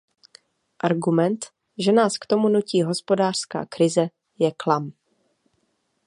Argument, že nás k tomu nutí hospodářská krize, je klam.